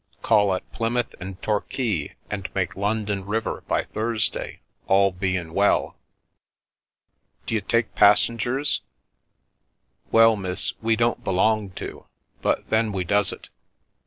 Call at Plymouth and Torquay, and make London river by Thursday, all bein' well." " D'you take passengers ?" "Well, miss, we don't belong to, but then we does it.